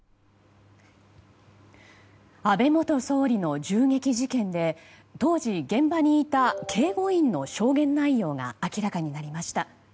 安倍元総理の銃撃事件で当時、現場にいた警護員の証言内容が明らかになりました。